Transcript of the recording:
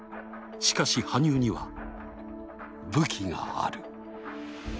しかし羽生には、武器がある。